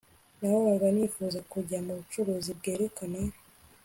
Nahoraga nifuza kujya mubucuruzi bwerekana